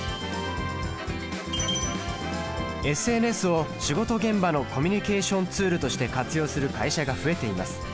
ＳＮＳを仕事現場のコミュニケーションツールとして活用する会社が増えています。